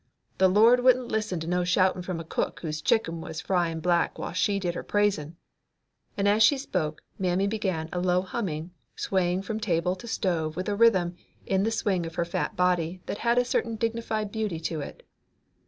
The Lord wouldn't listen to no shoutin' from a cook whose chicken was frying black while she did her praisin'," and as she spoke Mammy began a low humming, swaying from table to stove with a rhythm in the swing of her fat body that had a certain dignified beauty to it.